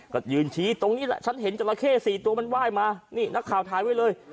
ก็ยืนชี้ตรงนี้แหละฉันเห็นจราเข้๔ตัวมันไหว้มานี่นักข่าวถ่ายไว้เลย